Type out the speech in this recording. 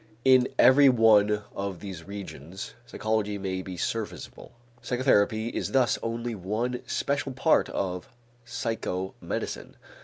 In every one of these regions, psychology may be serviceable. Psychotherapy is thus only one special part of psychomedicine.